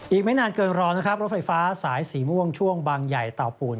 อีกไม่นานเกินรอนะครับรถไฟฟ้าสายสีม่วงช่วงบางใหญ่เต่าปุ่น